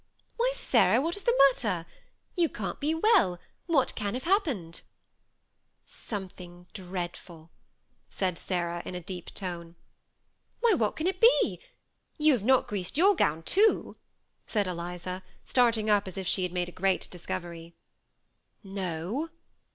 " Why, Sarah, what is the matter ? You can't be well. What can have happened? " 44 THE SEMI ATTACHED COUPLE. " Something dreadful," said Sarah, in a deep tone. " Why, what can it be ? You have not greased your gown too ?" said Eliza, starting up as if she had made a great discovery. « No.